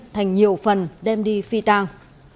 thành nhiều phần đem đi phi tàng